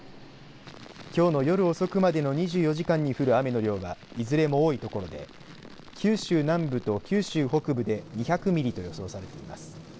きょうの夜遅くまでの２４時間に降る雨の量はいずれも多いところで九州南部と九州北部で２００ミリと予想されています。